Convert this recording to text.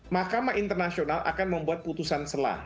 mahkamah internasional akan membuat putusan selah